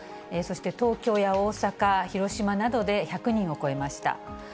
そして東京や大阪、広島などで１００人を超えました。